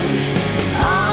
begini aja berapa